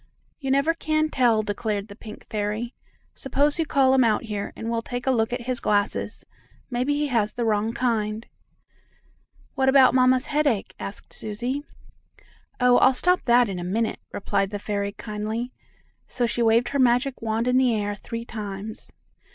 "You never can tell," declared the pink fairy. "Suppose you call him out here, and we'll take a look at his glasses. Maybe he has the wrong kind." "What about mamma's headache?" asked Susie. "Oh! I'll stop that in a minute," replied the fairy kindly, so she waved her magic wand in the air three times.